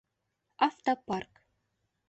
Автопарк!